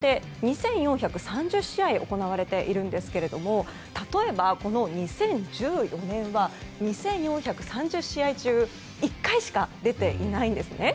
メジャーリーグというのは年間で２４３０試合が行われているんですが例えば、２０１４年は２４３０試合中１回しか出ていないんですね。